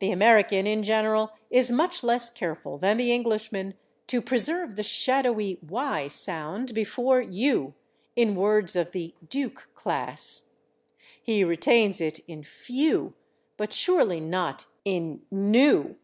The American, in general, is much less careful than the Englishman to preserve the shadowy /y/ sound before /u/ in words of the /duke/ class. He retains it in /few/, but surely not in /new